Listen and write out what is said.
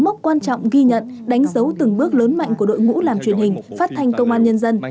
mốc quan trọng ghi nhận đánh dấu từng bước lớn mạnh của đội ngũ làm truyền hình phát thanh công an nhân dân